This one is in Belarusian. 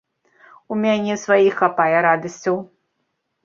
У мяне сваіх хапае радасцяў.